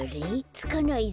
つかないぞ。